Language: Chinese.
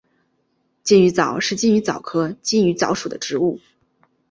金鱼藻是金鱼藻科金鱼藻属的植物。